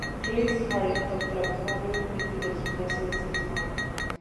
Chris Harrington trabajó brevemente en el gimnasio ese mismo año.